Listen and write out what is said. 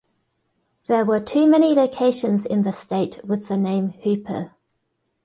There were too many locations in the state with the name Hooper.